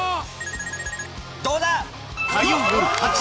どうだ？